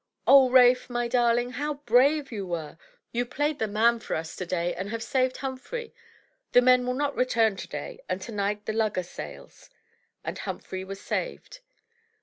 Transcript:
"Oh, Rafe, my darling, how brave you were! You played the man for us today, and have saved Humphrey. The men will not return today, and tonight the lugger sails." And Humphrey was saved.